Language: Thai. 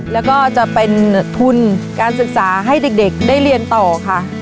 แล้วก็จะเป็นทุนการศึกษาให้เด็กได้เรียนต่อค่ะ